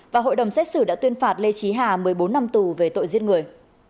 và hội đồng xét xử đã tuyên phạt lê trí hà một mươi bốn năm tù về tội giết người